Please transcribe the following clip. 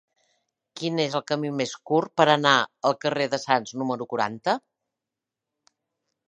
Quin és el camí més curt per anar al carrer de Sants número quaranta?